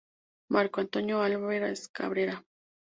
Marco Antonio Álvarez Cabrera